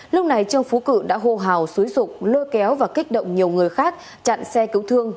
lúc này trương phú cự đã hô hào xúi rục lôi kéo và kích động nhiều người khác chặn xe cứu thương